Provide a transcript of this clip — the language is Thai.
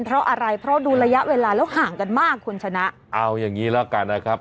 เพราะอะไรเพราะดูระยะเวลาแล้วห่างกันมากคุณชนะเอาอย่างงี้แล้วกันนะครับ